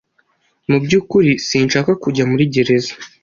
Mu byukuri sinshaka kujya muri gereza